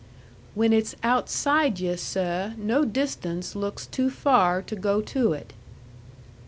"When it's outside yu', seh, no distance looks too far to go to it."